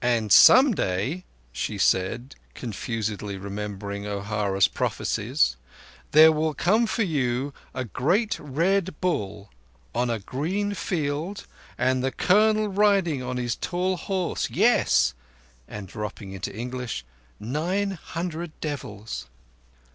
"And some day," she said, confusedly remembering O'Hara's prophecies, "there will come for you a great Red Bull on a green field, and the Colonel riding on his tall horse, yes, and" dropping into English—"nine hundred devils."